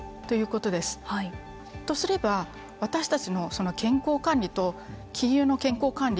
とすれば私たちの健康管理と金融の健康管理